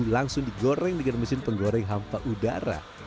langsung digoreng dengan mesin penggoreng hampa udara